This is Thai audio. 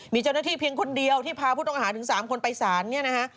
มีเจ้าหน้าที่เพียงคนเดียวที่พาผู้ต้องหาถึง๓คนไปสารเนี่ยนะฮะ